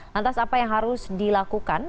lantas apa yang harus dilakukan